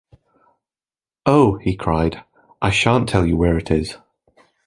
‘Oh,’ he cried, ‘I shan’t tell you where it is'.